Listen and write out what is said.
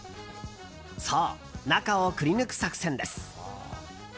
そう、中をくり抜く作戦です。